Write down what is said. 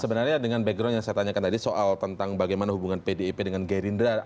sebenarnya dengan background yang saya tanyakan tadi soal tentang bagaimana hubungan pdip dengan gerindra